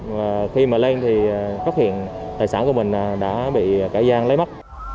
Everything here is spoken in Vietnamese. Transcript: và khi mà lên thì phát hiện tài sản của mình đã bị kẻ gian lấy mất